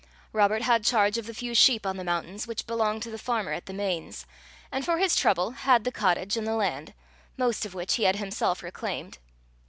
Robert had charge of the few sheep on the mountain which belonged to the farmer at the Mains, and for his trouble had the cottage and the land, most of which he had himself reclaimed.